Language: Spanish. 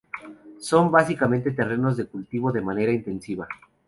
Son básicamente terrenos de cultivo de manera intensiva.